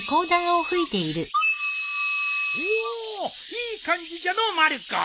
おおいい感じじゃのうまる子。